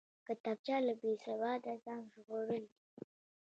کتابچه له بېسواده ځان ژغورل دي